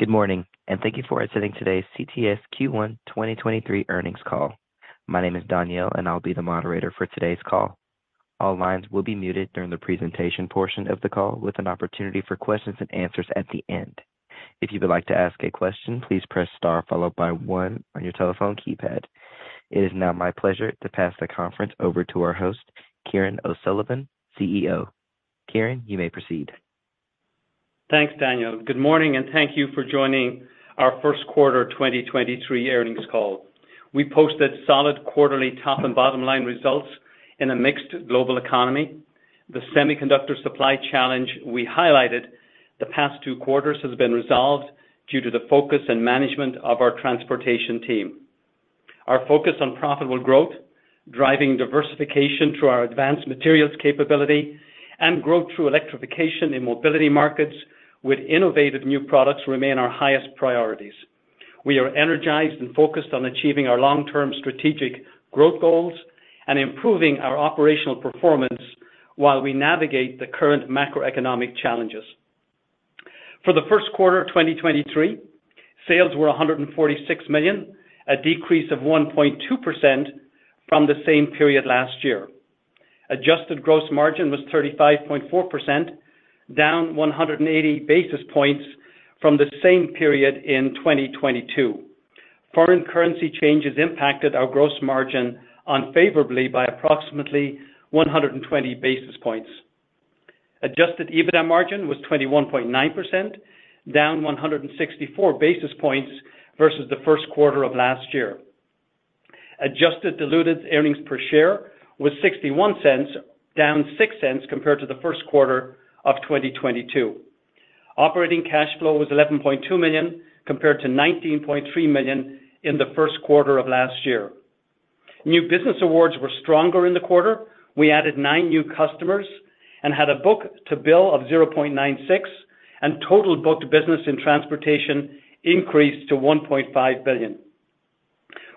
Good morning, thank you for attending today's CTS Q1 2023 earnings call. My name is Danielle, and I'll be the moderator for today's call. All lines will be muted during the presentation portion of the call with an opportunity for questions and answers at the end. If you would like to ask a question, please press star followed by one on your telephone keypad. It is now my pleasure to pass the conference over to our host, Kieran O'Sullivan, CEO. Kieran, you may proceed. Thanks, Danielle. Good morning, and thank you for joining our first quarter 2023 earnings call. We posted solid quarterly top and bottom-line results in a mixed global economy. The semiconductor supply challenge we highlighted the past two quarters has been resolved due to the focus and management of our transportation team. Our focus on profitable growth, driving diversification through our advanced materials capability and growth through electrification in mobility markets with innovative new products remain our highest priorities. We are energized and focused on achieving our long-term strategic growth goals and improving our operational performance while we navigate the current macroeconomic challenges. For the first quarter of 2023, sales were $146 million, a decrease of 1.2% from the same period last year. Adjusted gross margin was 35.4%, down 180 basis points from the same period in 2022. Foreign currency changes impacted our gross margin unfavorably by approximately 120 basis points. Adjusted EBITDA margin was 21.9%, down 164 basis points versus the first quarter of last year. Adjusted diluted earnings per share was $0.61, down $0.06 compared to the first quarter of 2022. Operating cash flow was $11.2 million compared to $19.3 million in the first quarter of last year. New business awards were stronger in the quarter. We added nine new customers and had a book-to-bill of 0.96, and total booked business in transportation increased to $1.5 billion.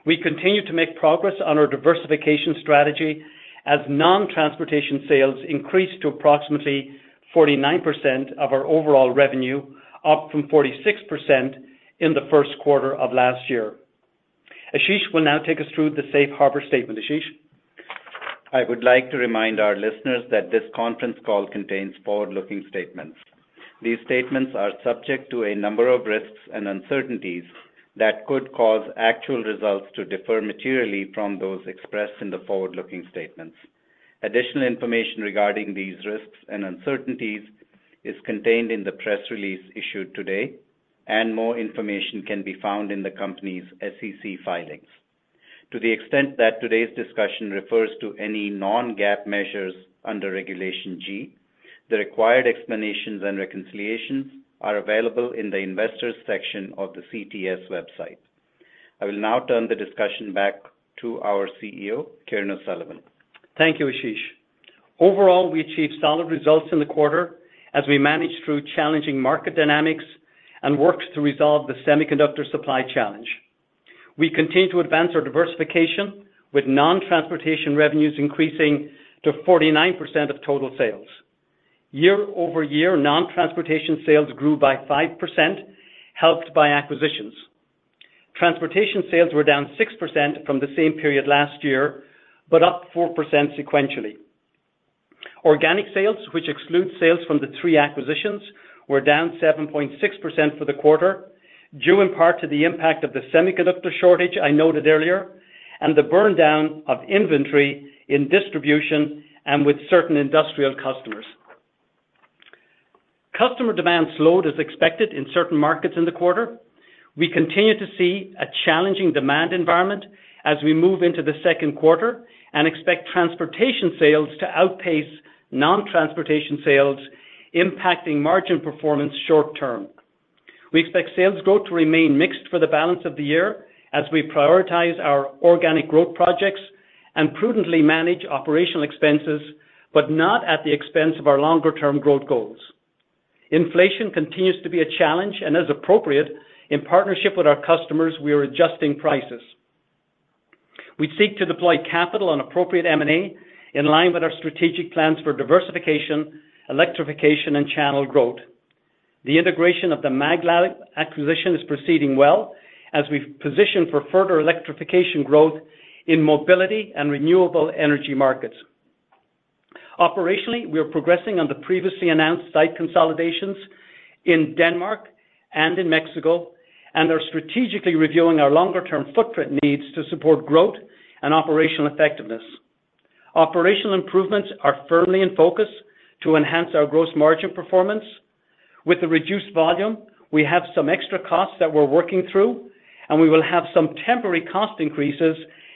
We continue to make progress on our diversification strategy as non-transportation sales increased to approximately 49% of our overall revenue, up from 46% in the first quarter of last year. Ashish will now take us through the Safe Harbor statement. Ashish. I would like to remind our listeners that this conference call contains forward-looking statements. These statements are subject to a number of risks and uncertainties that could cause actual results to differ materially from those expressed in the forward-looking statements. Additional information regarding these risks and uncertainties is contained in the press release issued today, and more information can be found in the company's SEC filings. To the extent that today's discussion refers to any non-GAAP measures under Regulation G, the required explanations and reconciliations are available in the Investors section of the CTS website. I will now turn the discussion back to our CEO, Kieran O'Sullivan. Thank you, Ashish. Overall, we achieved solid results in the quarter as we managed through challenging market dynamics and worked to resolve the semiconductor supply challenge. We continue to advance our diversification with non-transportation revenues increasing to 49% of total sales. Year-over-year, non-transportation sales grew by 5%, helped by acquisitions. Transportation sales were down 6% from the same period last year, but up 4% sequentially. Organic sales, which excludes sales from the three acquisitions, were down 7.6% for the quarter due in part to the impact of the semiconductor shortage I noted earlier and the burn down of inventory in distribution and with certain industrial customers. Customer demand slowed as expected in certain markets in the quarter. We continue to see a challenging demand environment as we move into the second quarter. We expect transportation sales to outpace non-transportation sales, impacting margin performance short term. We expect sales growth to remain mixed for the balance of the year as we prioritize our organic growth projects and prudently manage operational expenses, not at the expense of our longer-term growth goals. Inflation continues to be a challenge. As appropriate, in partnership with our customers, we are adjusting prices. We seek to deploy capital on appropriate M&A in line with our strategic plans for diversification, electrification, and channel growth. The integration of the Maglab acquisition is proceeding well as we position for further electrification growth in mobility and renewable energy markets. Operationally, we are progressing on the previously announced site consolidations in Denmark and in Mexico and are strategically reviewing our longer-term footprint needs to support growth and operational effectiveness. Operational improvements are firmly in focus to enhance our gross margin performance. With the reduced volume, we have some extra costs that we're working through, and we will have some temporary cost increases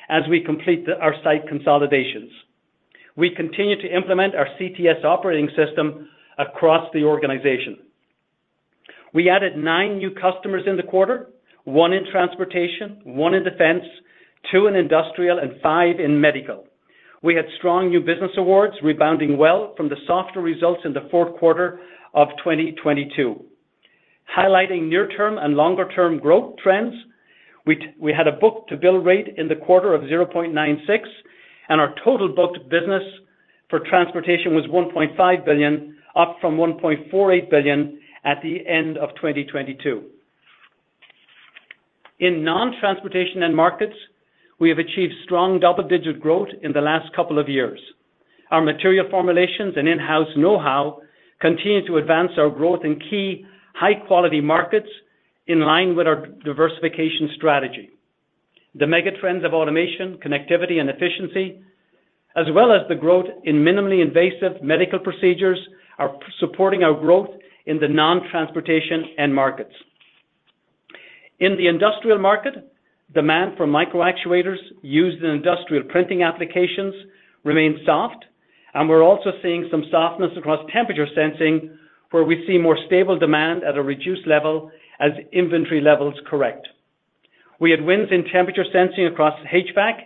as we complete our site consolidations. We continue to implement our CTS Operating System across the organization. We added 9 new customers in the quarter, 1 in transportation, 1 in defense, 2 in industrial, and 5 in medical. We had strong new business awards rebounding well from the softer results in the fourth quarter of 2022. Highlighting near-term and longer-term growth trends. We had a book-to-bill rate in the quarter of 0.96, and our total booked business for transportation was $1.5 billion, up from $1.48 billion at the end of 2022. In non-transportation end markets, we have achieved strong double-digit growth in the last couple of years. Our material formulations and in-house know-how continue to advance our growth in key high-quality markets in line with our diversification strategy. The mega trends of automation, connectivity, and efficiency, as well as the growth in minimally invasive medical procedures, are supporting our growth in the non-transportation end markets. In the industrial market, demand for micro actuators used in industrial printing applications remains soft, and we're also seeing some softness across temperature sensing, where we see more stable demand at a reduced level as inventory levels correct. We had wins in temperature sensing across HVAC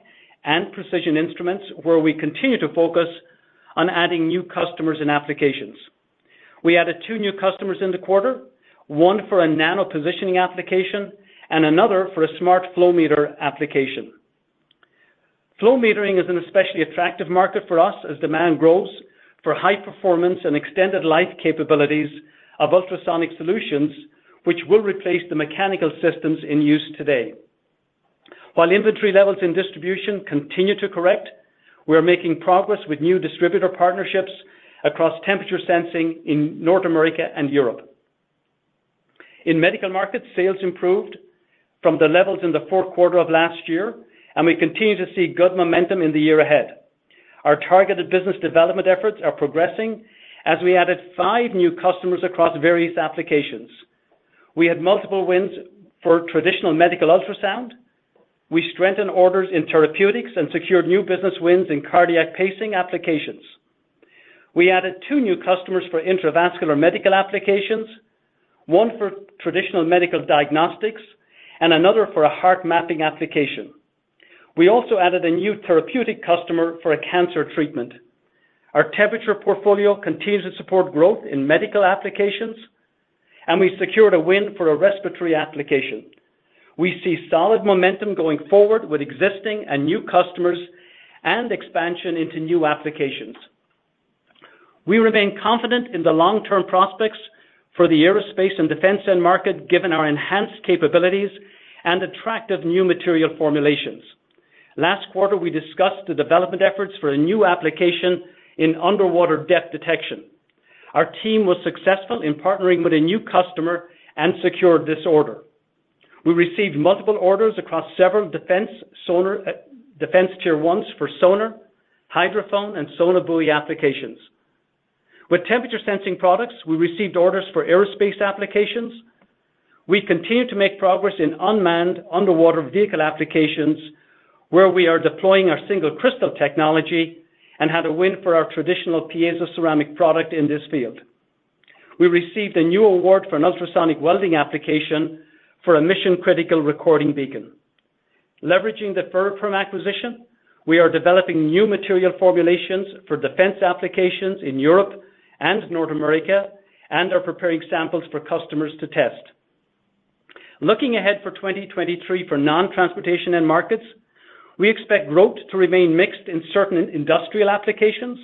and precision instruments, where we continue to focus on adding new customers and applications. We added two new customers in the quarter, one for a nanopositioning application and another for a smart flow meter application. Flow metering is an especially attractive market for us as demand grows for high performance and extended life capabilities of ultrasonic solutions, which will replace the mechanical systems in use today. While inventory levels in distribution continue to correct, we are making progress with new distributor partnerships across temperature sensing in North America and Europe. In medical markets, sales improved from the levels in the fourth quarter of last year, and we continue to see good momentum in the year ahead. Our targeted business development efforts are progressing as we added five new customers across various applications. We had multiple wins for traditional medical ultrasound. We strengthened orders in therapeutics and secured new business wins in cardiac pacing applications. We added two new customers for intravascular medical applications, one for traditional medical diagnostics, and another for a heart mapping application. We also added a new therapeutic customer for a cancer treatment. Our temperature portfolio continues to support growth in medical applications, and we secured a win for a respiratory application. We see solid momentum going forward with existing and new customers and expansion into new applications. We remain confident in the long-term prospects for the aerospace and defense end market, given our enhanced capabilities and attractive new material formulations. Last quarter, we discussed the development efforts for a new application in underwater depth detection. Our team was successful in partnering with a new customer and secured this order. We received multiple orders across several defense sonar, defense tier ones for sonar, hydrophone, and sonobuoy applications. With temperature sensing products, we received orders for aerospace applications. We continue to make progress in unmanned underwater vehicle applications, where we are deploying our single crystal technology and had a win for our traditional piezoceramic product in this field. We received a new award for an ultrasonic welding application for a mission-critical recording beacon. Leveraging the Ferroperm acquisition, we are developing new material formulations for defense applications in Europe and North America and are preparing samples for customers to test. Looking ahead for 2023 for non-transportation end markets, we expect growth to remain mixed in certain industrial applications.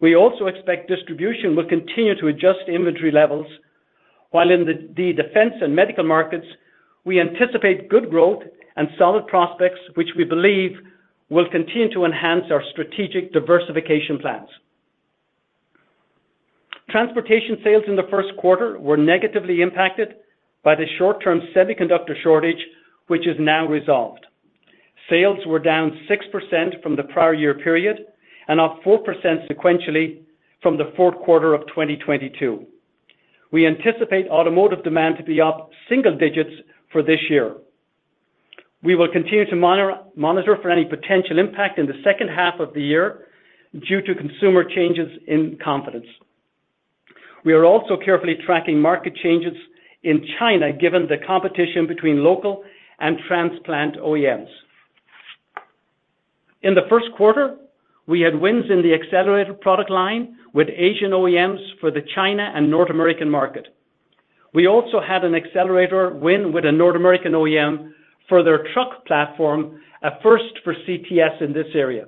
We also expect distribution will continue to adjust inventory levels, while in the defense and medical markets, we anticipate good growth and solid prospects, which we believe will continue to enhance our strategic diversification plans. Transportation sales in the first quarter were negatively impacted by the short-term semiconductor shortage, which is now resolved. Sales were down 6% from the prior year period and up 4% sequentially from the fourth quarter of 2022. We anticipate automotive demand to be up single digits for this year. We will continue to monitor for any potential impact in the second half of the year due to consumer changes in confidence. We are also carefully tracking market changes in China, given the competition between local and transplant OEMs. In the first quarter, we had wins in the accelerator product line with Asian OEMs for the China and North American market. We also had an accelerator win with a North American OEM for their truck platform, a first for CTS in this area.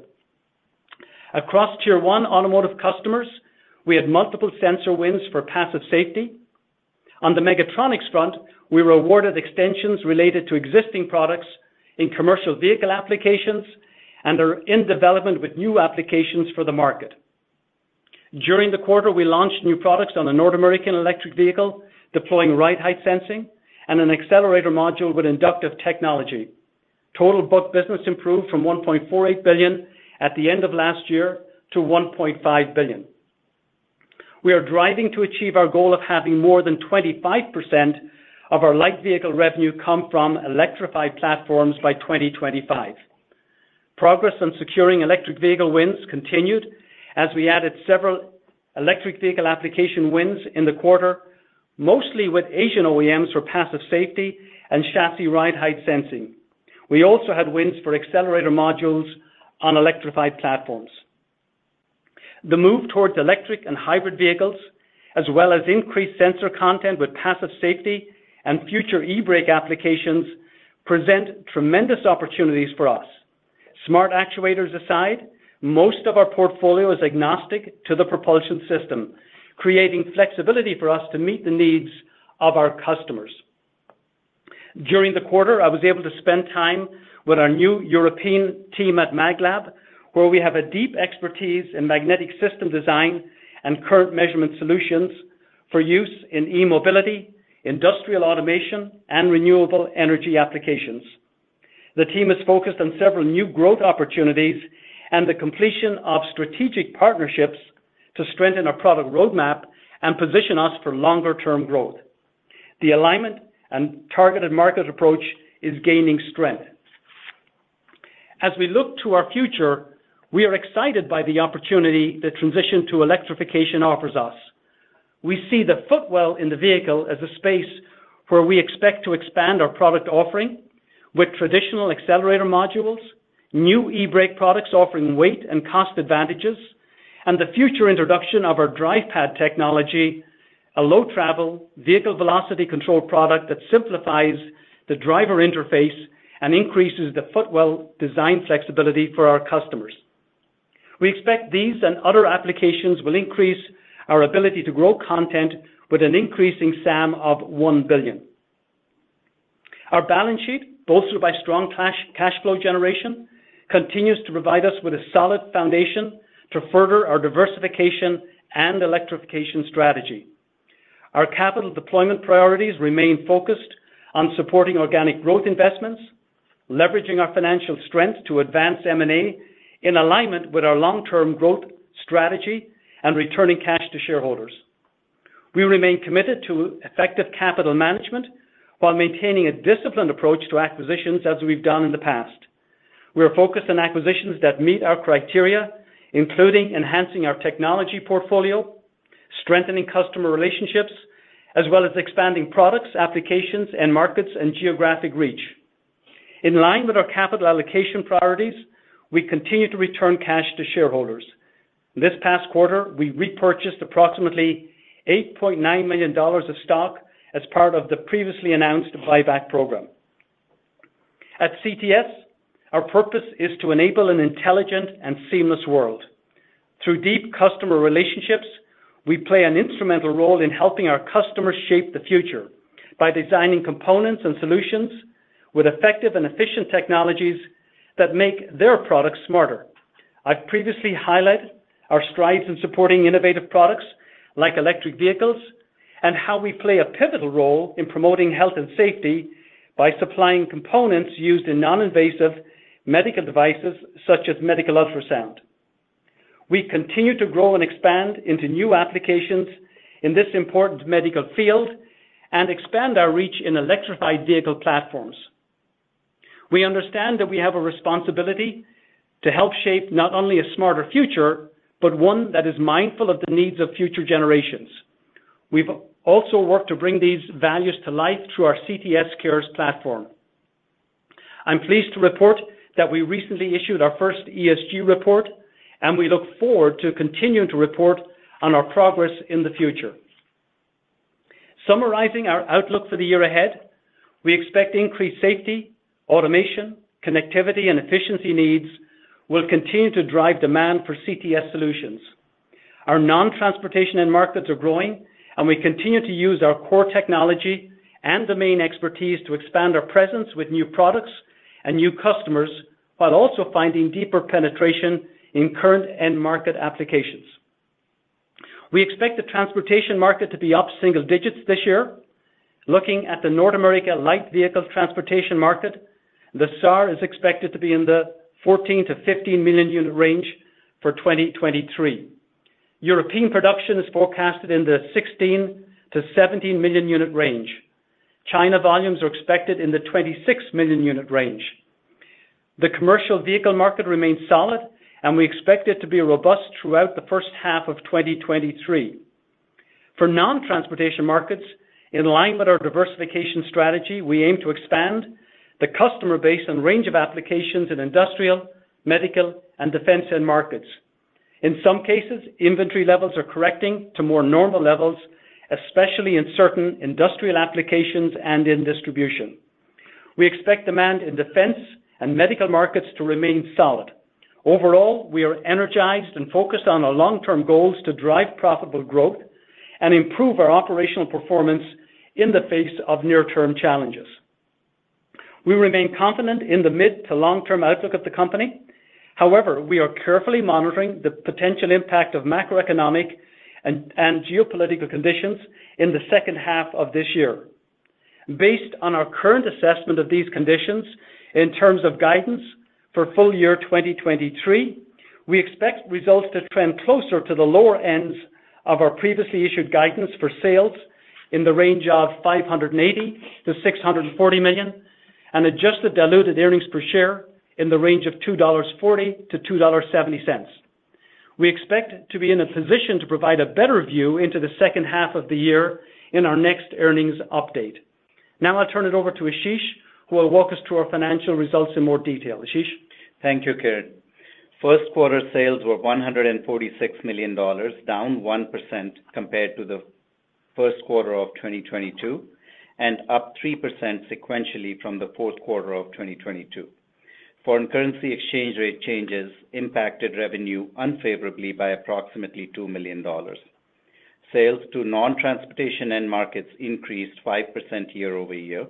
Across tier one automotive customers, we had multiple sensor wins for passive safety. On the mechatronics front, we were awarded extensions related to existing products in commercial vehicle applications and are in development with new applications for the market. During the quarter, we launched new products on a North American electric vehicle, deploying ride height sensing and an accelerator module with inductive technology. Total booked business improved from $1.48 billion at the end of last year to $1.5 billion. We are driving to achieve our goal of having more than 25% of our light vehicle revenue come from electrified platforms by 2025. Progress on securing electric vehicle wins continued as we added several electric vehicle application wins in the quarter, mostly with Asian OEMs for passive safety and chassis ride height sensing. We also had wins for accelerator modules on electrified platforms. The move towards electric and hybrid vehicles, as well as increased sensor content with passive safety and future eBrake applications present tremendous opportunities for us. Smart Actuators aside, most of our portfolio is agnostic to the propulsion system, creating flexibility for us to meet the needs of our customers. During the quarter, I was able to spend time with our new European team at Maglab, where we have a deep expertise in magnetic system design and current measurement solutions for use in e-mobility, industrial automation, and renewable energy applications. The team is focused on several new growth opportunities and the completion of strategic partnerships to strengthen our product roadmap and position us for longer term growth. The alignment and targeted market approach is gaining strength. As we look to our future, we are excited by the opportunity the transition to electrification offers us. We see the footwell in the vehicle as a space where we expect to expand our product offering with traditional Accelerator Modules, new eBrake products offering weight and cost advantages, and the future introduction of our Drive Pad technology, a low travel vehicle velocity control product that simplifies the driver interface and increases the footwell design flexibility for our customers. We expect these and other applications will increase our ability to grow content with an increasing SAM of $1 billion. Our balance sheet, bolstered by strong cash flow generation, continues to provide us with a solid foundation to further our diversification and electrification strategy. Our capital deployment priorities remain focused on supporting organic growth investments, leveraging our financial strength to advance M&A in alignment with our long-term growth strategy and returning cash to shareholders. We remain committed to effective capital management while maintaining a disciplined approach to acquisitions as we've done in the past. We are focused on acquisitions that meet our criteria, including enhancing our technology portfolio, strengthening customer relationships, as well as expanding products, applications, and markets and geographic reach. In line with our capital allocation priorities, we continue to return cash to shareholders. This past quarter, we repurchased approximately $8.9 million of stock as part of the previously announced buyback program. At CTS, our purpose is to enable an intelligent and seamless world. Through deep customer relationships, we play an instrumental role in helping our customers shape the future by designing components and solutions with effective and efficient technologies that make their products smarter. I've previously highlighted our strides in supporting innovative products like electric vehicles and how we play a pivotal role in promoting health and safety by supplying components used in non-invasive medical devices, such as medical ultrasound. We continue to grow and expand into new applications in this important medical field and expand our reach in electrified vehicle platforms. We understand that we have a responsibility to help shape not only a smarter future, but one that is mindful of the needs of future generations. We've also worked to bring these values to life through our CTS Cares platform. I'm pleased to report that we recently issued our first ESG report, and we look forward to continuing to report on our progress in the future. Summarizing our outlook for the year ahead, we expect increased safety, automation, connectivity, and efficiency needs will continue to drive demand for CTS solutions. Our non-transportation end markets are growing, and we continue to use our core technology and domain expertise to expand our presence with new products and new customers, while also finding deeper penetration in current end market applications. We expect the transportation market to be up single digits this year. Looking at the North America light vehicle transportation market, the SAAR is expected to be in the 14-15 million unit range for 2023. European production is forecasted in the 16-17 million unit range. China volumes are expected in the 26 million unit range. The commercial vehicle market remains solid, and we expect it to be robust throughout the first half of 2023. For non-transportation markets, in line with our diversification strategy, we aim to expand the customer base and range of applications in industrial, medical, and defense end markets. In some cases, inventory levels are correcting to more normal levels, especially in certain industrial applications and in distribution. We expect demand in defense and medical markets to remain solid. Overall, we are energized and focused on our long-term goals to drive profitable growth and improve our operational performance in the face of near-term challenges. We remain confident in the mid to long-term outlook of the company. However, we are carefully monitoring the potential impact of macroeconomic and geopolitical conditions in the second half of this year. Based on our current assessment of these conditions, in terms of guidance for full year 2023, we expect results to trend closer to the lower ends of our previously issued guidance for sales in the range of $580 million-$640 million and adjusted diluted EPS in the range of $2.40-$2.70. We expect to be in a position to provide a better view into the second half of the year in our next earnings update. I'll turn it over to Ashish, who will walk us through our financial results in more detail. Ashish? Thank you, Kieran. First quarter sales were $146 million, down 1% compared to the first quarter of 2022, and up 3% sequentially from the fourth quarter of 2022. Foreign currency exchange rate changes impacted revenue unfavorably by approximately $2 million. Sales to non-transportation end markets increased 5% year-over-year.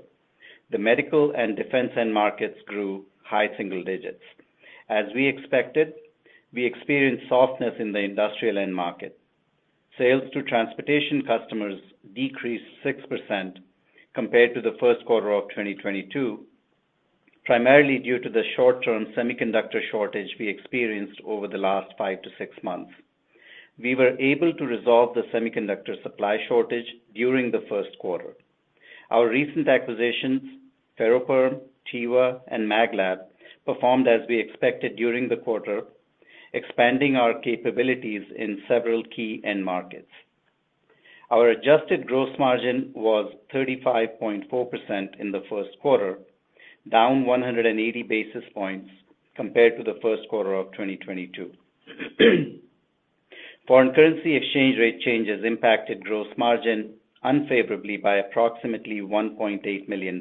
The medical and defense end markets grew high single digits. As we expected, we experienced softness in the industrial end market. Sales to transportation customers decreased 6% compared to the first quarter of 2022, primarily due to the short-term semiconductor shortage we experienced over the last 5-6 months. We were able to resolve the semiconductor supply shortage during the first quarter. Our recent acquisitions, Ferroperm, TEWA, and MagLab, performed as we expected during the quarter, expanding our capabilities in several key end markets. Our adjusted gross margin was 35.4% in the first quarter, down 180 basis points compared to the first quarter of 2022. Foreign currency exchange rate changes impacted gross margin unfavorably by approximately $1.8 million.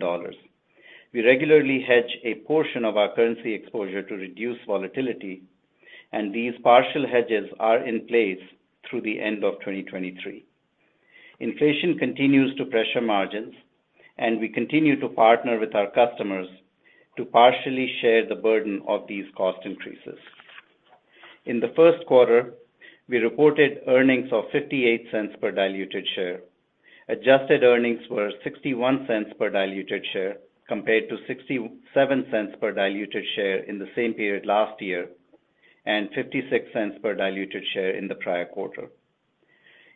We regularly hedge a portion of our currency exposure to reduce volatility, and these partial hedges are in place through the end of 2023. Inflation continues to pressure margins, and we continue to partner with our customers to partially share the burden of these cost increases. In the first quarter, we reported earnings of $0.58 per diluted share. Adjusted earnings were $0.61 per diluted share compared to $0.67 per diluted share in the same period last year, and $0.56 per diluted share in the prior quarter.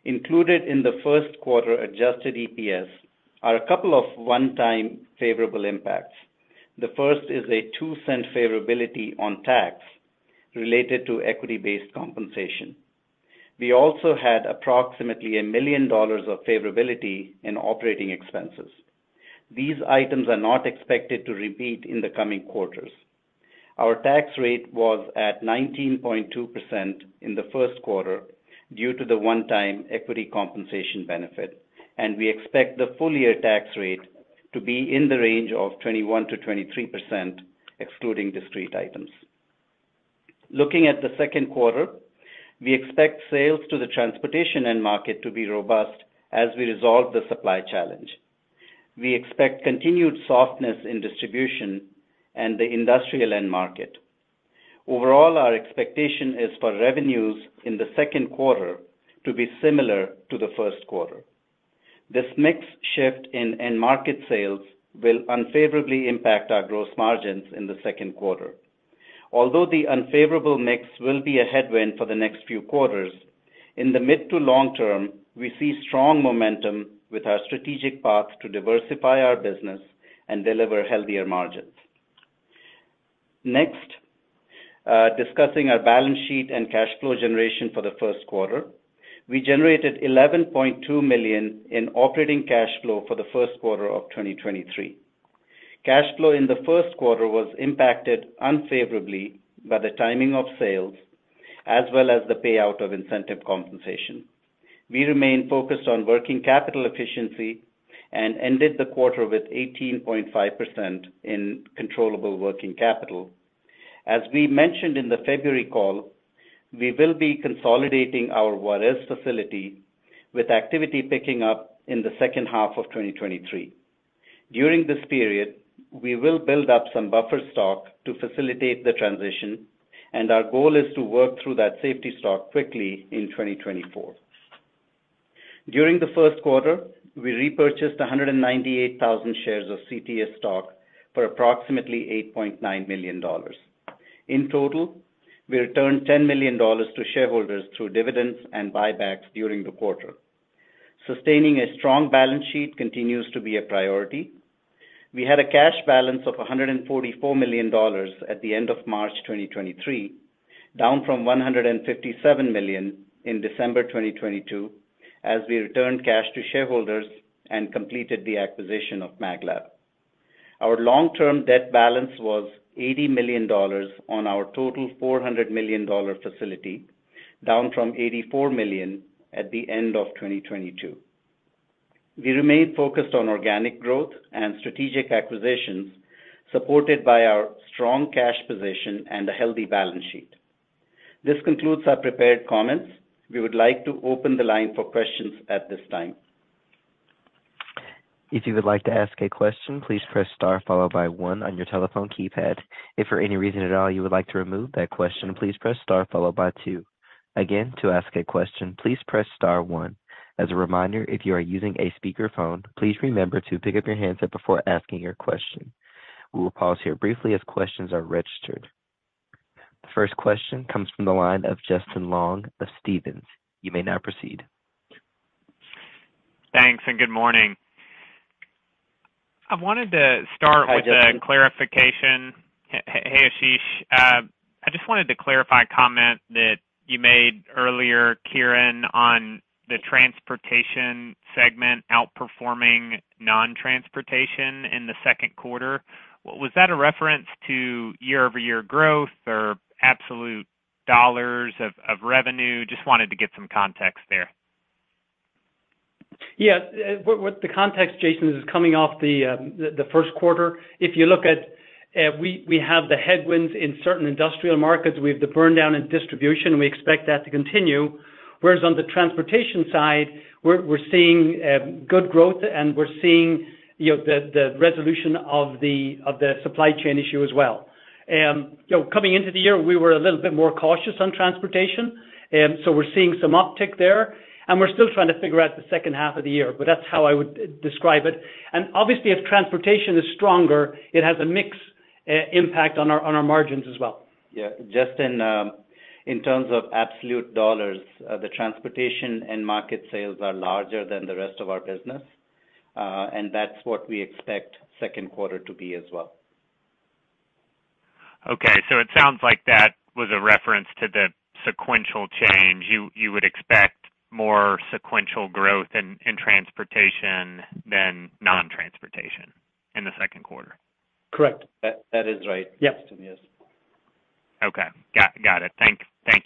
Included in the first quarter adjusted EPS are a couple of one-time favorable impacts. The first is a $0.02 favorability on tax related to equity-based compensation. We also had approximately $1 million of favorability in operating expenses. These items are not expected to repeat in the coming quarters. Our tax rate was at 19.2% in the first quarter due to the one-time equity compensation benefit, and we expect the full year tax rate to be in the range of 21%-23%, excluding discrete items. Looking at the second quarter, we expect sales to the transportation end market to be robust as we resolve the supply challenge. We expect continued softness in distribution and the industrial end market. Overall, our expectation is for revenues in the second quarter to be similar to the first quarter. This mix shift in end market sales will unfavorably impact our gross margins in the second quarter. Although the unfavorable mix will be a headwind for the next few quarters, in the mid to long term, we see strong momentum with our strategic path to diversify our business and deliver healthier margins. Discussing our balance sheet and cash flow generation for the first quarter. We generated $11.2 million in operating cash flow for the first quarter of 2023. Cash flow in the first quarter was impacted unfavorably by the timing of sales as well as the payout of incentive compensation. We remain focused on working capital efficiency and ended the quarter with 18.5% in controllable working capital. As we mentioned in the February call, we will be consolidating our Juarez facility, with activity picking up in the second half of 2023. During this period, we will build up some buffer stock to facilitate the transition, and our goal is to work through that safety stock quickly in 2024. During the first quarter, we repurchased 198,000 shares of CTS stock for approximately $8.9 million. In total, we returned $10 million to shareholders through dividends and buybacks during the quarter. Sustaining a strong balance sheet continues to be a priority. We had a cash balance of $144 million at the end of March 2023, down from $157 million in December 2022, as we returned cash to shareholders and completed the acquisition of Maglab. Our long-term debt balance was $80 million on our total $400 million facility, down from $84 million at the end of 2022. We remain focused on organic growth and strategic acquisitions, supported by our strong cash position and a healthy balance sheet. This concludes our prepared comments. We would like to open the line for questions at this time. If you would like to ask a question, please press star followed by one on your telephone keypad. If for any reason at all you would like to remove that question, please press star followed by two. Again, to ask a question, please press star one. As a reminder, if you are using a speakerphone, please remember to pick up your handset before asking your question. We will pause here briefly as questions are registered. The first question comes from the line of Justin Long of Stephens. You may now proceed. Thanks, good morning. Hi, Justin. -with a clarification. Hey, Ashish Just wanted to clarify a comment that you made earlier, Kieran, on the transportation segment outperforming non-transportation in the second quarter. Was that a reference to year-over-year growth or absolute dollars of revenue? Just wanted to get some context there. Yeah. What the context, Justin, is coming off the first quarter. If you look at, we have the headwinds in certain industrial markets, we have the burn down in distribution. We expect that to continue. Whereas on the transportation side, we're seeing good growth, and we're seeing, you know, the resolution of the supply chain issue as well. You know, coming into the year, we were a little bit more cautious on transportation. We're seeing some uptick there, and we're still trying to figure out the second half of the year, but that's how I would describe it. Obviously, if transportation is stronger, it has a mixed impact on our margins as well. Yeah. Justin, in terms of absolute dollars, the transportation end market sales are larger than the rest of our business, and that's what we expect second quarter to be as well. It sounds like that was a reference to the sequential change. You would expect more sequential growth in transportation than non-transportation in the second quarter. Correct. That is right. Yes. Justin, yes. Okay. Got it. Thank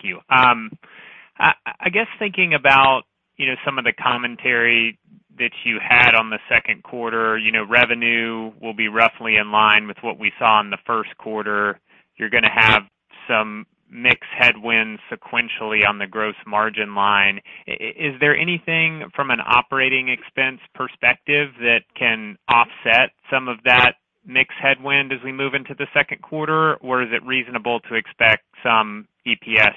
you. I guess thinking about, you know, some of the commentary that you had on the second quarter, you know, revenue will be roughly in line with what we saw in the first quarter. You're gonna have some mix headwinds sequentially on the gross margin line. Is there anything from an operating expense perspective that can offset some of that mix headwind as we move into the second quarter? Is it reasonable to expect some EPS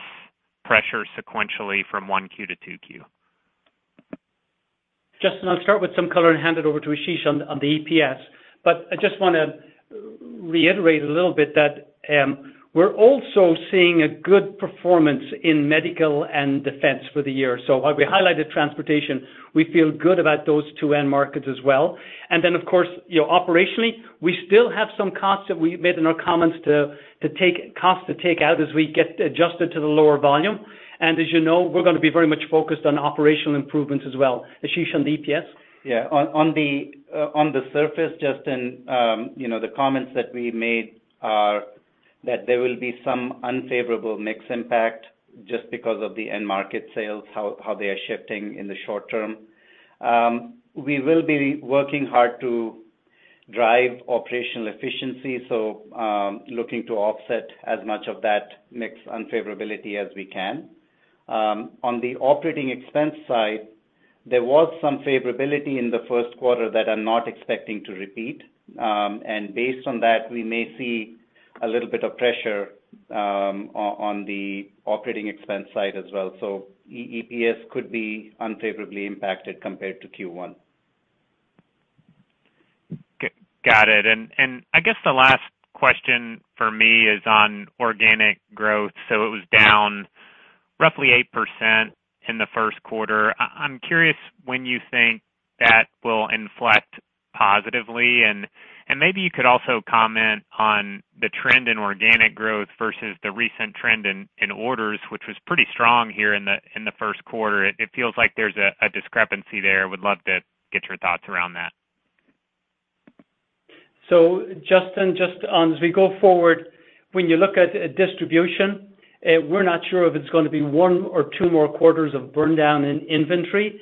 pressure sequentially from one Q to two Q? Justin, I'll start with some color and hand it over to Ashish on the, on the EPS. I just wanna reiterate a little bit that, we're also seeing a good performance in medical and defense for the year. While we highlighted transportation, we feel good about those two end markets as well. Then, of course, you know, operationally, we still have some costs that we made in our comments to costs to take out as we get adjusted to the lower volume. As you know, we're gonna be very much focused on operational improvements as well. Ashish on the EPS. Yeah. On the surface, Justin, you know, the comments that we made are that there will be some unfavorable mix impact just because of the end market sales, how they are shifting in the short term. We will be working hard to drive operational efficiency, so looking to offset as much of that mix unfavorability as we can. On the operating expense side, there was some favorability in the first quarter that I'm not expecting to repeat. Based on that, we may see a little bit of pressure on the operating expense side as well. EPS could be unfavorably impacted compared to Q1. Got it. I guess the last question for me is on organic growth. It was down roughly 8% in the first quarter. I'm curious when you think that will inflect positively. Maybe you could also comment on the trend in organic growth versus the recent trend in orders, which was pretty strong here in the first quarter. It feels like there's a discrepancy there. Would love to get your thoughts around that. Justin, just on as we go forward, when you look at distribution, we're not sure if it's gonna be one or two more quarters of burn down in inventory.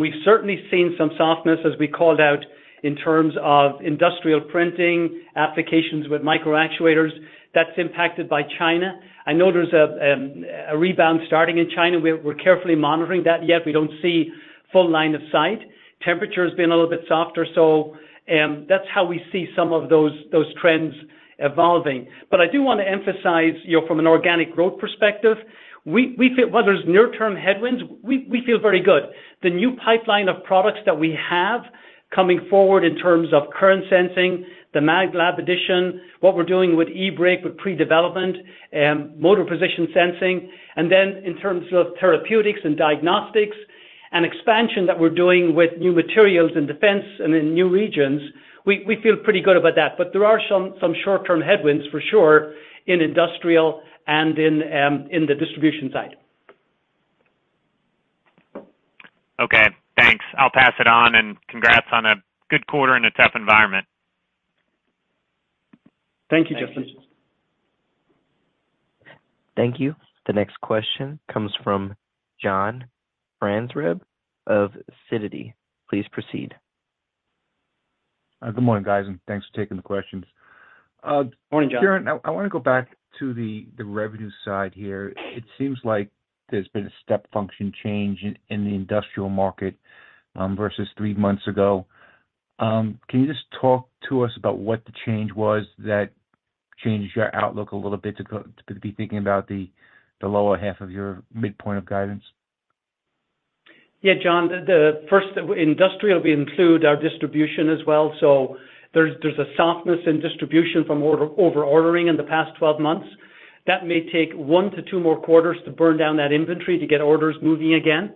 We've certainly seen some softness as we called out in terms of industrial printing applications with micro actuators that's impacted by China. I know there's a rebound starting in China. We're carefully monitoring that. We don't see full line of sight. Temperature's been a little bit softer. That's how we see some of those trends evolving. I do wanna emphasize, you know, from an organic growth perspective, we feel while there's near-term headwinds, we feel very good. The new pipeline of products that we have coming forward in terms of current sensing, the Maglab addition, what we're doing with eBrake, with pre-development, motor position sensing, and then in terms of therapeutics and diagnostics and expansion that we're doing with new materials in defense and in new regions, we feel pretty good about that. There are some short-term headwinds for sure in industrial and in the distribution side. Okay, thanks. I'll pass it on, and congrats on a good quarter in a tough environment. Thank you, Justin. Thank you. Thank you. The next question comes from John Franzreb of Sidoti. Please proceed. Good morning, guys, and thanks for taking the questions. Morning, John. Kieran, I want to go back to the revenue side here. It seems like there's been a step function change in the industrial market versus three months ago. Can you just talk to us about what the change was that changed your outlook a little bit to be thinking about the lower half of your midpoint of guidance? John. The first industrial will include our distribution as well. There's a softness in distribution from over ordering in the past 12 months. That may take one to two more quarters to burn down that inventory to get orders moving again.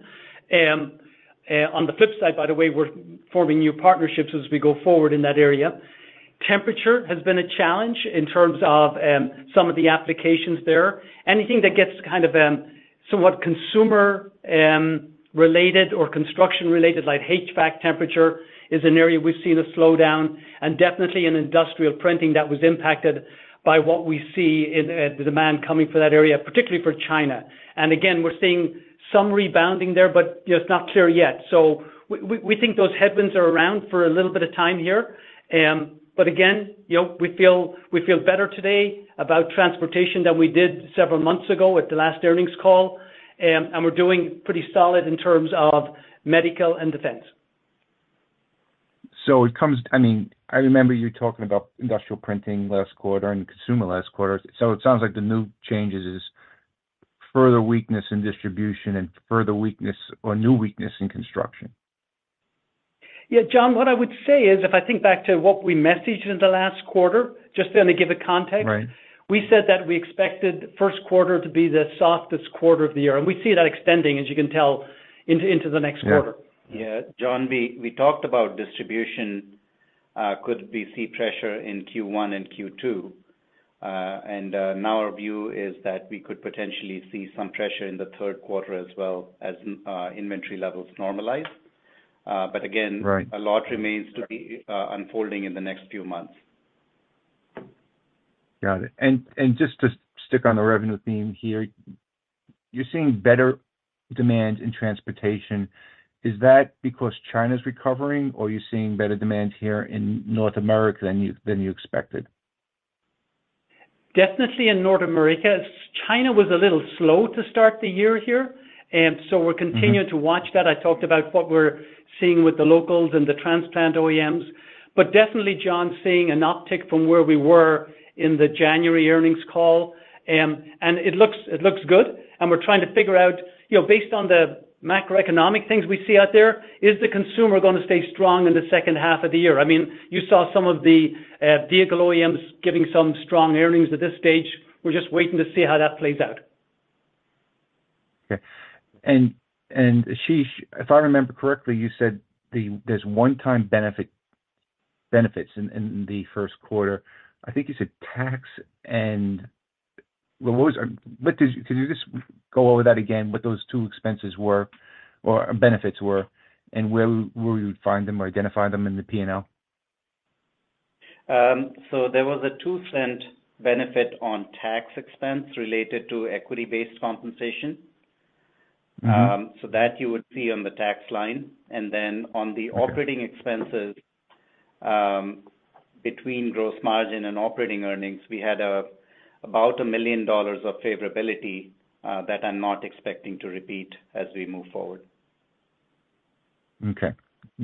On the flip side, by the way, we're forming new partnerships as we go forward in that area. Temperature has been a challenge in terms of some of the applications there. Anything that gets kind of somewhat consumer related or construction-related, like HVAC temperature is an area we've seen a slowdown and definitely in industrial printing that was impacted by what we see in the demand coming for that area, particularly for China. Again, we're seeing some rebounding there, but, you know, it's not clear yet. We think those headwinds are around for a little bit of time here. Again, you know, we feel better today about transportation than we did several months ago at the last earnings call. We're doing pretty solid in terms of medical and defense. I mean, I remember you talking about industrial printing last quarter and consumer last quarter. It sounds like the new changes is further weakness in distribution and further weakness or new weakness in construction. John, what I would say is, if I think back to what we messaged in the last quarter, just then to give a context. Right. We said that we expected first quarter to be the softest quarter of the year. We see that extending, as you can tell, into the next quarter. Yeah. Yeah. John, we talked about distribution, could we see pressure in Q1 and Q2. Now our view is that we could potentially see some pressure in the third quarter as well as inventory levels normalize. Again- Right... a lot remains to be unfolding in the next few months. Got it. Just to stick on the revenue theme here, you're seeing better demand in transportation. Is that because China's recovering or you're seeing better demand here in North America than you expected? Definitely in North America. China was a little slow to start the year here. We're continuing to watch that. I talked about what we're seeing with the locals and the transplant OEMs. Definitely, John, seeing an uptick from where we were in the January earnings call. It looks good, and we're trying to figure out, you know, based on the macroeconomic things we see out there, is the consumer gonna stay strong in the second half of the year? I mean, you saw some of the vehicle OEMs giving some strong earnings at this stage. We're just waiting to see how that plays out. Okay. Ashish, if I remember correctly, you said there's one-time benefits in the first quarter. I think you said tax and... What was... What does... Could you just go over that again, what those two expenses were or benefits were, and where we would find them or identify them in the P&L? There was a $0.02 benefit on tax expense related to equity-based compensation. Mm-hmm. That you would see on the tax line. On the operating expenses, between gross margin and operating earnings, we had about $1 million of favorability, that I'm not expecting to repeat as we move forward. Okay.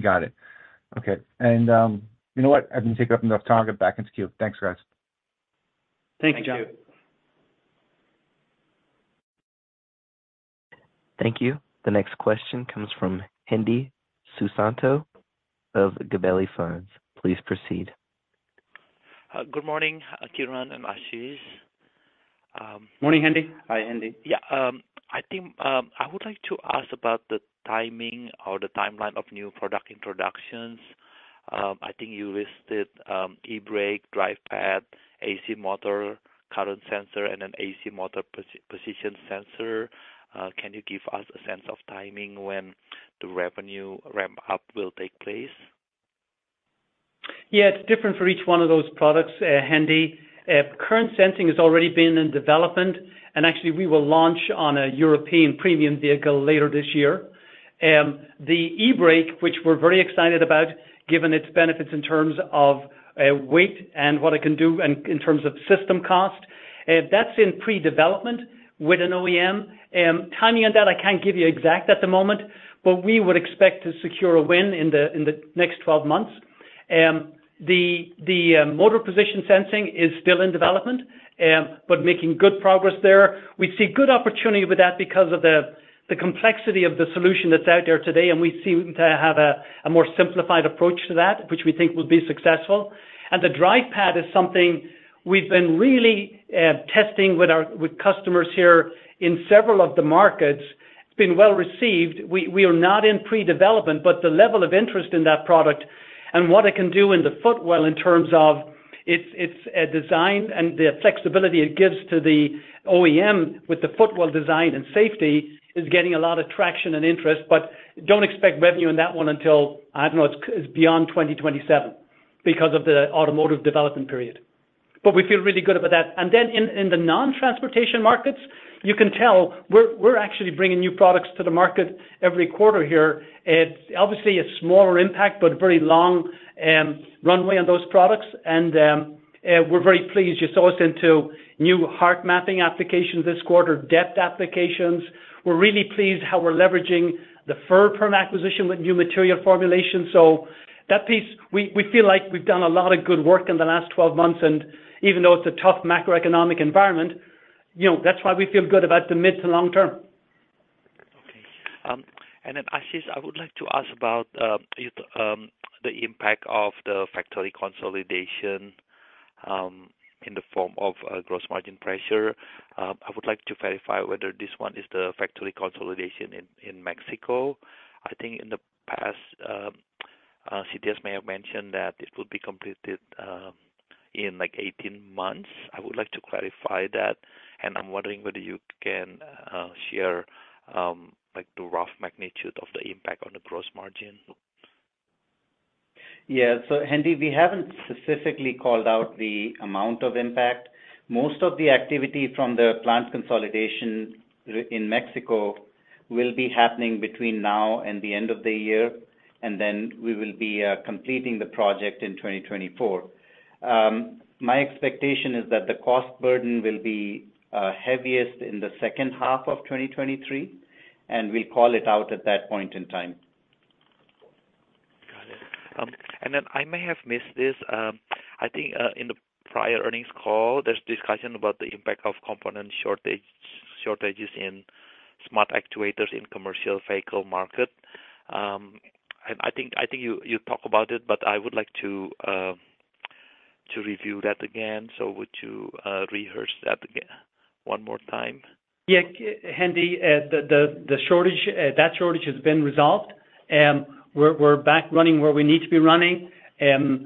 Got it. Okay. You know what? I've been taking up enough time. I'll get back in queue. Thanks, guys. Thank you, John. Thank you. Thank you. The next question comes from Hendi Susanto of Gabelli Funds. Please proceed. good morning, Kieran and Ashish. Morning, Hendi. Hi, Hendi. Yeah. I think I would like to ask about the timing or the timeline of new product introductions. I think you listed eBrake, Drive Pad, AC motor, current sensor, and an AC motor position sensor. Can you give us a sense of timing when the revenue ramp up will take place? Yeah. It's different for each one of those products, Hendi. current sensing has already been in development, and actually, we will launch on a European premium vehicle later this year. The eBrake, which we're very excited about, given its benefits in terms of weight and what it can do in terms of system cost, that's in pre-development with an OEM. Timing on that, I can't give you exact at the moment, but we would expect to secure a win in the next 12 months. The motor position sensing is still in development, but making good progress there. We see good opportunity with that because of the complexity of the solution that's out there today, and we seem to have a more simplified approach to that, which we think will be successful. The Drive Pad is something we've been really testing with customers here in several of the markets. It's been well received. We are not in pre-development, but the level of interest in that product and what it can do in the footwell in terms of its design and the flexibility it gives to the OEM with the footwell design and safety is getting a lot of traction and interest, but don't expect revenue in that one until, I don't know, it's beyond 2027 because of the automotive development period. We feel really good about that. Then in the non-transportation markets, you can tell we're actually bringing new products to the market every quarter here. It's obviously a smaller impact, but very long runway on those products. We're very pleased. You saw us into new heart mapping applications this quarter, depth applications. We're really pleased how we're leveraging the Furr Performance acquisition with new material formulation. That piece, we feel like we've done a lot of good work in the last 12 months, and even though it's a tough macroeconomic environment, you know, that's why we feel good about the mid to long term. Okay. Ashish, I would like to ask about the impact of the factory consolidation. In the form of gross margin pressure. I would like to verify whether this one is the factory consolidation in Mexico. I think in the past, CTS may have mentioned that it will be completed in like 18 months. I would like to clarify that, and I'm wondering whether you can share like the rough magnitude of the impact on the gross margin. Yeah. Hendi, we haven't specifically called out the amount of impact. Most of the activity from the plant consolidation in Mexico will be happening between now and the end of the year, then we will be completing the project in 2024. My expectation is that the cost burden will be heaviest in the second half of 2023, we call it out at that point in time. Got it. Then I may have missed this. I think in the prior earnings call, there's discussion about the impact of component shortages in Smart Actuators in commercial vehicle market. I think you talk about it, but I would like to review that again. Would you rehearse that again one more time? Yeah. Hendi, that shortage has been resolved. We're back running where we need to be running.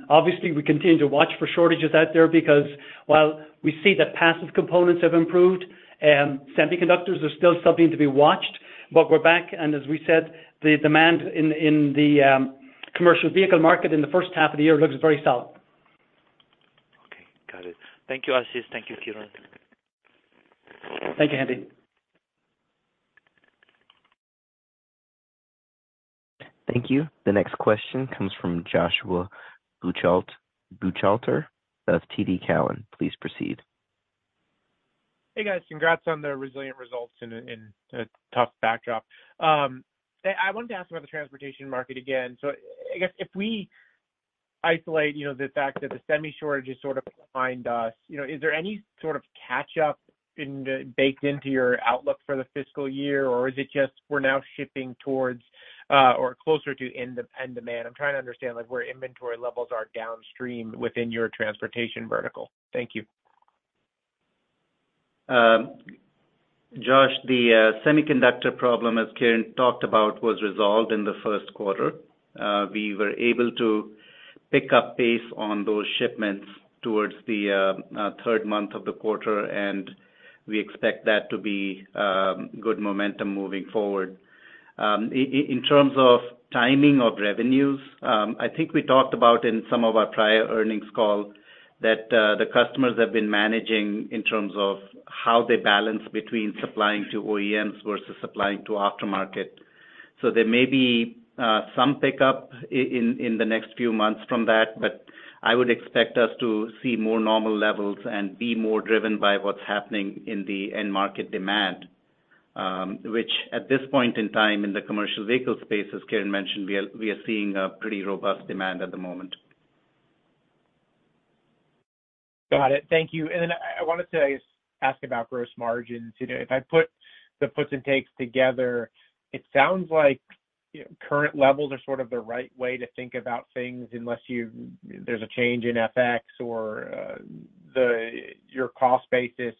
Obviously we continue to watch for shortages out there because while we see that passive components have improved, semiconductors are still something to be watched. We're back, and as we said, the demand in the commercial vehicle market in the first half of the year looks very solid. Okay. Got it. Thank you, Ashis. Thank you, Kieran. Thank you, Hendi. Thank you. The next question comes from Joshua Buchalter of TD Cowen. Please proceed. Hey, guys. Congrats on the resilient results in a, in a tough backdrop. I wanted to ask about the transportation market again. I guess if we isolate, you know, the fact that the semi shortage is sort of behind us, you know, is there any sort of catch-up baked into your outlook for the fiscal year, or is it just we're now shifting towards or closer to end-to-end demand? I'm trying to understand like where inventory levels are downstream within your transportation vertical. Thank you. Josh, the semiconductor problem, as Kieran talked about, was resolved in the first quarter. We were able to pick up pace on those shipments towards the third month of the quarter, and we expect that to be good momentum moving forward. In terms of timing of revenues, I think we talked about in some of our prior earnings call that the customers have been managing in terms of how they balance between supplying to OEMs versus supplying to aftermarket. There may be some pickup in the next few months from that, but I would expect us to see more normal levels and be more driven by what's happening in the end market demand, which at this point in time in the commercial vehicle space, as Kieran mentioned, we are seeing a pretty robust demand at the moment. Got it. Thank you. I wanted to ask about gross margins. You know, if I put the puts and takes together, it sounds like, you know, current levels are sort of the right way to think about things unless there's a change in FX or your cost basis.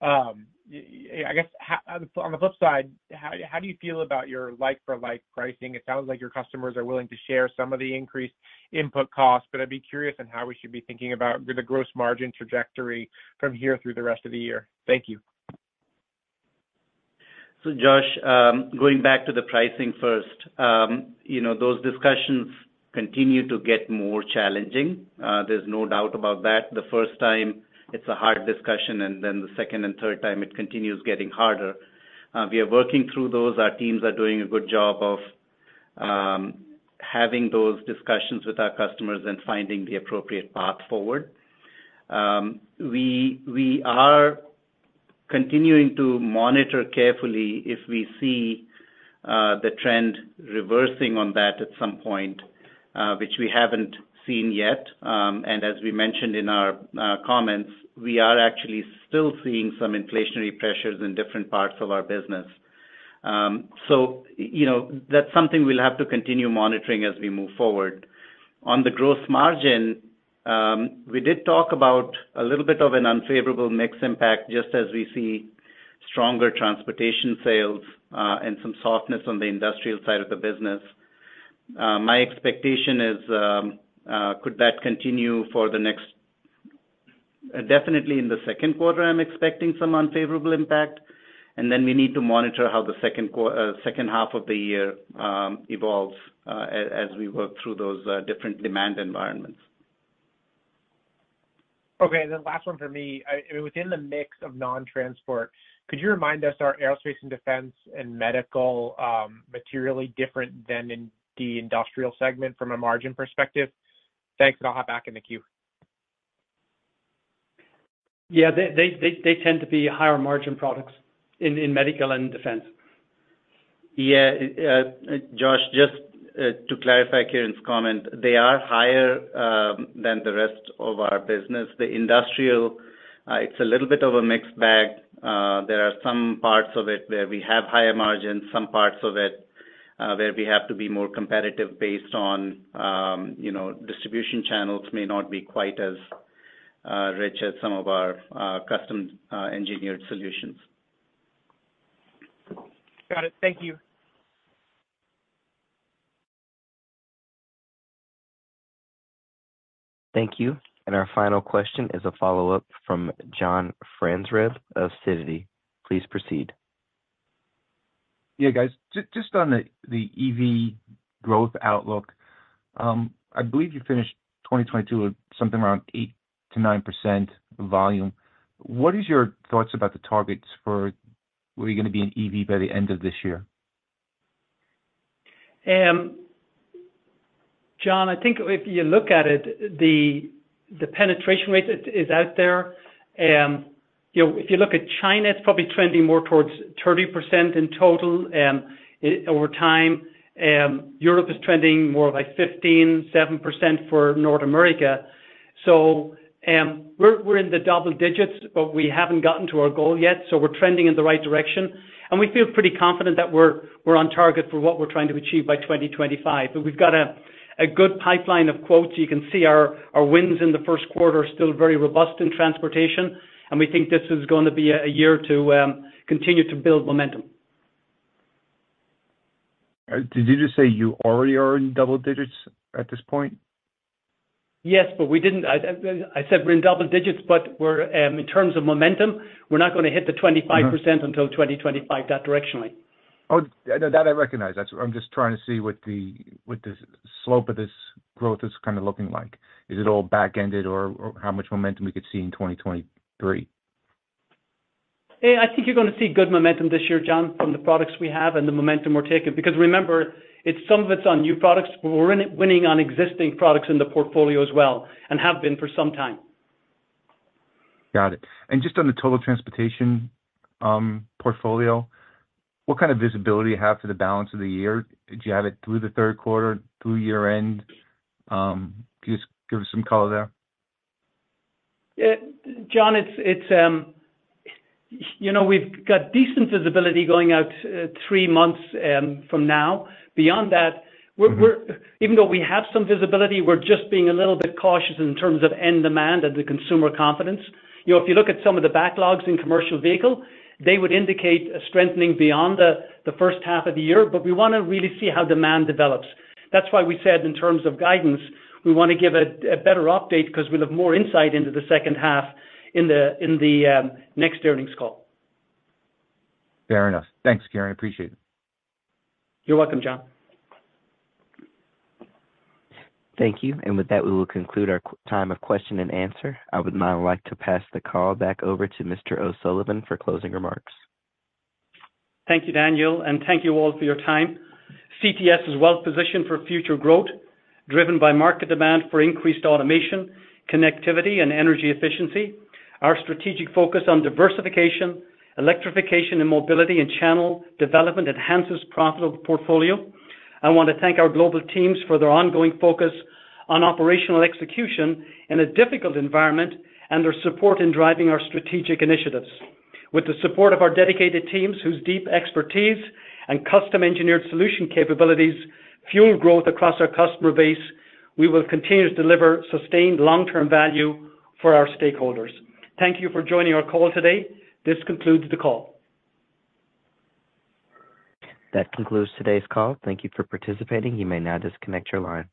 I guess, on the, on the flip side, how do you feel about your like for like pricing? It sounds like your customers are willing to share some of the increased input costs, I'd be curious on how we should be thinking about the gross margin trajectory from here through the rest of the year. Thank you. Josh, going back to the pricing first, you know, those discussions continue to get more challenging. There's no doubt about that. The first time it's a hard discussion, and then the second and third time it continues getting harder. We are working through those. Our teams are doing a good job of having those discussions with our customers and finding the appropriate path forward. We, we are continuing to monitor carefully if we see the trend reversing on that at some point, which we haven't seen yet. As we mentioned in our comments, we are actually still seeing some inflationary pressures in different parts of our business. You know, that's something we'll have to continue monitoring as we move forward. On the gross margin, we did talk about a little bit of an unfavorable mix impact just as we see stronger transportation sales, and some softness on the industrial side of the business. My expectation is, could that continue for the next... Definitely in the second quarter, I'm expecting some unfavorable impact, and then we need to monitor how the second half of the year evolves as we work through those different demand environments. Okay, last one for me. Within the mix of non-transport, could you remind us, are aerospace and defense and medical materially different than in the industrial segment from a margin perspective? Thanks, and I'll hop back in the queue. Yeah. They tend to be higher margin products in medical and defense. Yeah. Josh, just to clarify Kieran's comment, they are higher than the rest of our business. The industrial, it's a little bit of a mixed bag. There are some parts of it where we have higher margins. where we have to be more competitive based on, you know, distribution channels may not be quite as rich as some of our custom engineered solutions. Got it. Thank you. Thank you. Our final question is a follow-up from John Franzreb of Sidoti. Please proceed. Yeah, guys. Just on the EV growth outlook, I believe you finished 2022 with something around 8%-9% volume. What is your thoughts about the targets for where you're gonna be in EV by the end of this year? John, I think if you look at it, the penetration rate is out there. You know, if you look at China, it's probably trending more towards 30% in total over time. Europe is trending more like 15%, 7% for North America. We're in the double digits, but we haven't gotten to our goal yet, so we're trending in the right direction. We feel pretty confident that we're on target for what we're trying to achieve by 2025. We've got a good pipeline of quotes. You can see our wins in the first quarter are still very robust in transportation, and we think this is gonna be a year to continue to build momentum. Did you just say you already are in double digits at this point? Yes. We didn't. I said we're in double digits, but we're in terms of momentum, we're not gonna hit the 25% until 2025, that directionally. Oh, no, that I recognize. I'm just trying to see what the slope of this growth is kinda looking like. Is it all back-ended or how much momentum we could see in 2023? Yeah, I think you're gonna see good momentum this year, John, from the products we have and the momentum we're taking. Remember, it's some of it's on new products, but we're win-winning on existing products in the portfolio as well, and have been for some time. Got it. Just on the total transportation, portfolio, what kind of visibility do you have for the balance of the year? Do you have it through the third quarter, through year-end? Can you just give us some color there? John, it's, you know, we've got decent visibility going out three months from now. Beyond that, we're even though we have some visibility, we're just being a little bit cautious in terms of end demand and the consumer confidence. You know, if you look at some of the backlogs in commercial vehicle, they would indicate a strengthening beyond the first half of the year, but we wanna really see how demand develops. That's why we said in terms of guidance, we wanna give a better update because we'll have more insight into the second half in the next earnings call. Fair enough. Thanks, Gary. I appreciate it. You're welcome, John. Thank you. With that, we will conclude our time of question and answer. I would now like to pass the call back over to Mr. O'Sullivan for closing remarks. Thank you, Daniel, and thank you all for your time. CTS is well-positioned for future growth, driven by market demand for increased automation, connectivity, and energy efficiency. Our strategic focus on diversification, electrification, and mobility and channel development enhances profitable portfolio. I want to thank our global teams for their ongoing focus on operational execution in a difficult environment and their support in driving our strategic initiatives. With the support of our dedicated teams, whose deep expertise and custom engineered solution capabilities fuel growth across our customer base, we will continue to deliver sustained long-term value for our stakeholders. Thank you for joining our call today. This concludes the call. That concludes today's call. Thank you for participating. You may now disconnect your line.